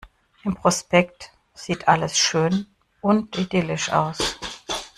Im Prospekt sieht alles schön und idyllisch aus.